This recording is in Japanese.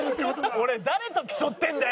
俺誰と競ってるんだよ！